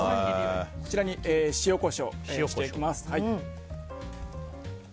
ここに塩、コショウしていきます。